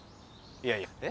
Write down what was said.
いやいやえっ？